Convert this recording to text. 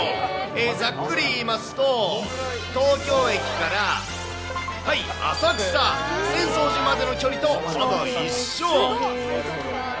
ざっくり言いますと、東京駅から浅草・浅草寺までの距離とほぼ一緒。